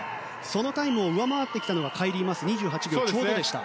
そのタイムを上回ってきたのがカイリー・マス２８秒ちょうどでした。